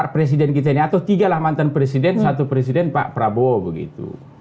presiden kita ini atau tiga lah mantan presiden satu presiden pak prabowo begitu